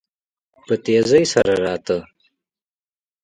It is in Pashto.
په تيزی سره راته.